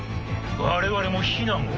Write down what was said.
我々も避難を。